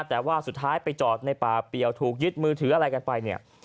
แต่ว่าสุดท้ายไปจอดในป่าเปลี่ยวถูกยึดมือถืออะไรกันไปเนี่ย